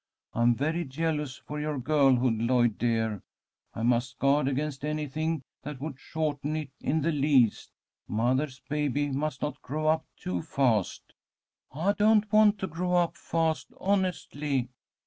I am very jealous for your girlhood, Lloyd dear. I must guard against anything that would shorten it in the least. Mother's baby must not grow up too fast." "I don't want to grow up fast, honestly!"